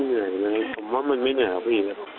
มันหน่อยมั้ยผมว่ามันไม่หน่อยครับพี่